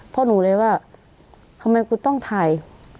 พ่อหนูเลยว่าทำไมกูต้องถ่าย